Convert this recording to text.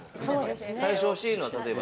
最初欲しいのは、例えば。